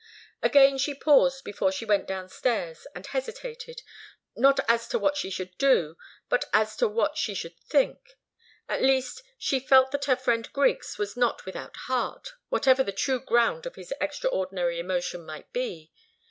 Again she paused before she went downstairs, and hesitated, not as to what she should do, but as to what she should think. At least, she felt that her friend Griggs was not without heart, whatever the true ground of his extraordinary emotion might be.